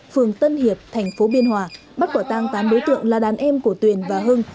phường tân hiệp thành phố biên hòa bắt quả tang tám đối tượng là đàn em của tuyền và hưng